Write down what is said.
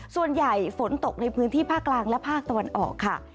ส่วนใหญ่ฝนตกในพื้นที่ภาคกลางและภาคตะวันออกค่ะ